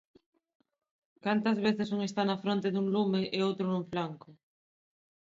¡Cantas veces un está na fronte dun lume e outro nun flanco!